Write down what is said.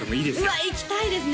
うわ行きたいですね